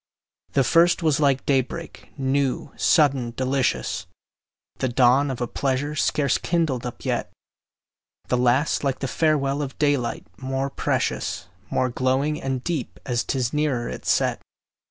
The first was like day break, new, sudden, delicious, The dawn of a pleasure scarce kindled up yet; The last like the farewell of daylight, more precious, More glowing and deep, as 'tis nearer its set.